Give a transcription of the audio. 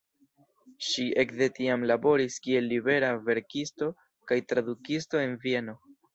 Ŝi ekde tiam laboris kiel libera verkisto kaj tradukisto en Vieno.